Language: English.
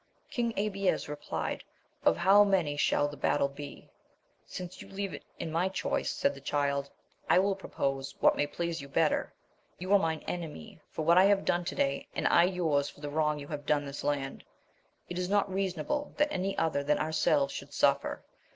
King Abies replied of how many shall the battle be ? Since you leave it in my choice, said the Child, I will propose what may please you better. You are mine enemy for what I have done to day, and I yours for the wrong you have done this land. It is not reasonable that any other than ourselves should suffer.